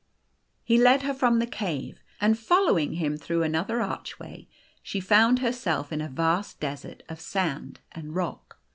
He led her from the cave, and following him through o O another archway, she found herself in a vast desert of sand and rock.